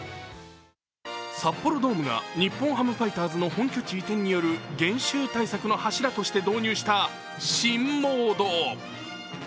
札幌ドームが日本ハムファイターズの本拠地移転による減収対策の柱として導入した新モード。